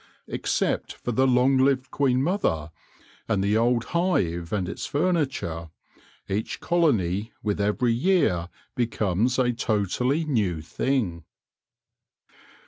Except for the long lived queen mother and the old hive and its furniture, each colony with every year becomes a totally new thing.